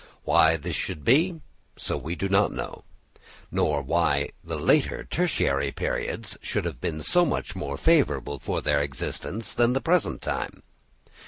Why this should be so we do not know; nor why the later tertiary periods should have been much more favourable for their existence than the present time.